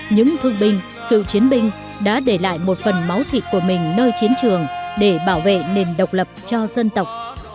những thương binh cựu chiến binh đã để lại một phần máu thịt của mình nơi chiến trường để bảo vệ nền độc lập cho dân tộc